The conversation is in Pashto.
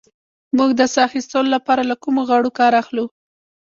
موږ د ساه اخیستلو لپاره له کومو غړو کار اخلو